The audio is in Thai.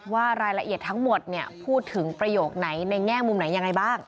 ว่ารายละเอียดทั้งหมดพูดถึงประโยคไหนในแง่มุมไหนยังไงบ้าง